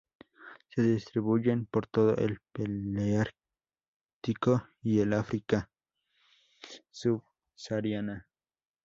Se distribuyen por todo el paleártico y el África subsahariana.